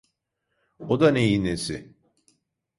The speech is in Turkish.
O da neyin nesi?